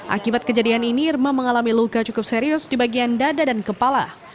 akibat kejadian ini irma mengalami luka cukup serius di bagian dada dan kepala